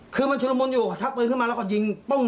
คือมันชุดละมุนอยู่ชักปืนขึ้นมาแล้วก็ยิงปึ้ง